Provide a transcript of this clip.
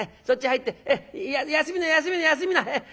そっち入って休みな休みな休みな。